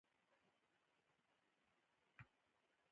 ازادي راډیو د ورزش په اړه د کارپوهانو خبرې خپرې کړي.